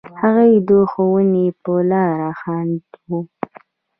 هغوی د ښوونې په لاره خنډ و.